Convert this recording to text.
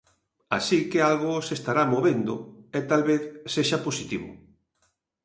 Así que algo se estará movendo e talvez sexa positivo.